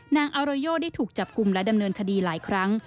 อาโรโยได้ถูกจับกลุ่มและดำเนินคดีหลายครั้ง